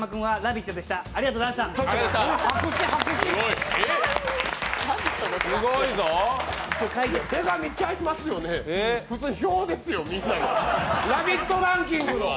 ラヴィットランキングの！